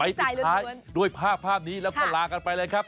ไปหนึ่งลงร้ายด้วยภาพนี้แล้วก็ลากันไปเลยครับ